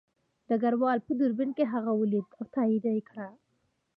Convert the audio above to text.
ډګروال په دوربین کې هغه ولید او تایید یې کړه